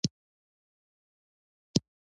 د ځیني تخنیکي ستونزو له امله